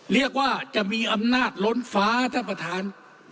เรียกว่าจะมีอำนาจล้นฟ้าท่านประธาน